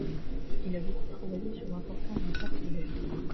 Il a beaucoup travaillé sur l'importance du parcellaire.